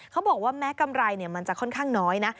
เขาบอกว่าแม้กำไรมันจะค่อนข้างน้อยนะ